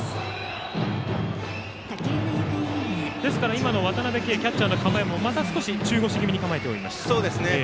今の渡辺憩キャッチャーの構えも中腰気味に構えておりました。